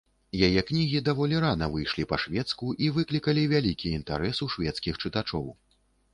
Яе кнігі даволі рана выйшлі па-шведску і выклікалі вялікі інтарэс у шведскіх чытачоў.